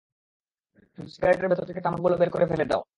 শুধু সিগারেটের ভেতর থেকে তামাকগুলো বের করে ফেলে দাও।